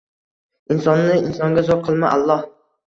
Insonni insonga zor qilma, Alloh.